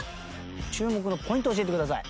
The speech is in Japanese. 注目のポイント教えてください。